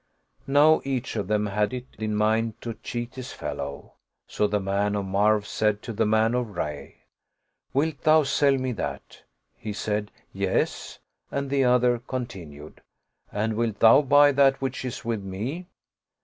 Now each of them had it in mind to cheat his fellow ; so the man of Marw said to the man of Rayy, " Wilt thou sell me that?" He said, "Yes," and the other con tinued, " And wilt thou buy that which is with me?